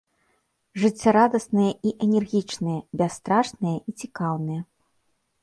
Жыццярадасныя і энергічныя, бясстрашныя і цікаўныя.